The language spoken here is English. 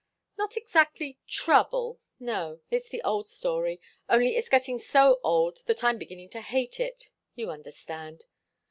"Not exactly trouble no. It's the old story only it's getting so old that I'm beginning to hate it. You understand."